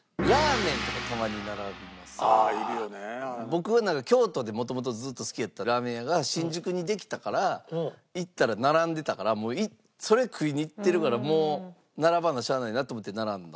僕は京都でもともとずっと好きやったラーメン屋が新宿にできたから行ったら並んでたからそれ食いに行ってるからもう並ばなしゃあないなと思って並んだんですよ。